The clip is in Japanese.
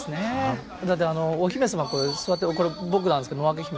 だってお姫様座ってるのこれ僕なんですけど野分姫。